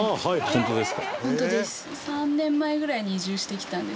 本当です。